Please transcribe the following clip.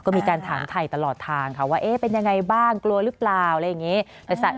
ก็มีการถามไทยตลอดทางค่ะว่าเอ๊ะเป็นยังไงบ้างกลัวหรือเปล่าอะไรอย่างนี้